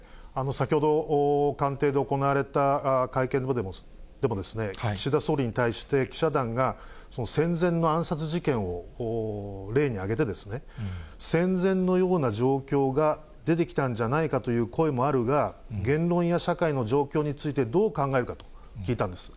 先ほど、官邸で行われた会見でも、岸田総理に対して、記者団が、戦前の暗殺事件を例に挙げて、戦前のような状況が出てきたんじゃないかという声もあるが、言論や社会の状況についてどう考えるかと聞いたんです。